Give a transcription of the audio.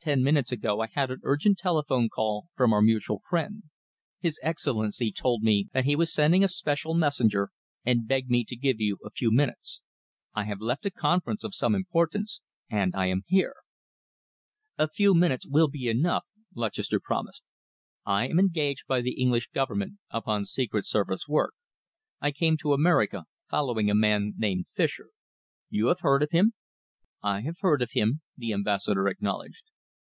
"Ten minutes ago I had an urgent telephone call from our mutual friend. His Excellency told me that he was sending a special messenger, and begged me to give you a few minutes. I have left a conference of some importance, and I am here." "A few minutes will be enough," Lutchester promised. "I am engaged by the English Government upon Secret Service work. I came to America, following a man named Fischer. You have heard of him?" "I have heard of him," the Ambassador acknowledged.